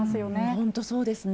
本当、そうですね。